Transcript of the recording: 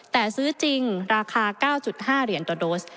แต่ซื้อจริงราคา๙๕เหรียญต่อโดส